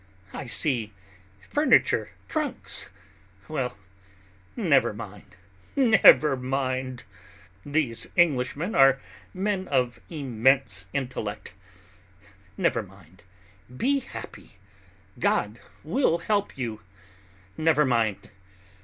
I see furniture... trunks.... Well, never mind. Never mind. These Englishmen are men of immense intellect.... Never mind.... Be happy.... God will help you.... Never mind....